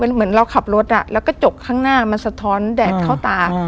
เหมือนเราขับรถแล้วก็จกข้างหน้ามันสะท้อนแดดเข้าตา